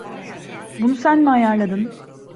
Bunu sen mi ayarladın?